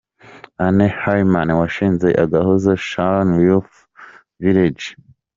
Anne Heyman washize Agahozo Shalom Youth Village.